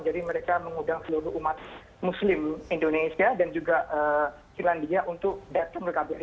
jadi mereka mengundang seluruh umat muslim indonesia dan juga cilandia untuk datang ke kbri